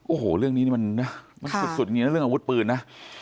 โอ้โหเรื่องนี้มันสุดอย่างนี้นะเรื่องอาวุธปืนนะ